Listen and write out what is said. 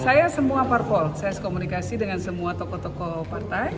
saya semua parpol saya komunikasi dengan semua tokoh tokoh partai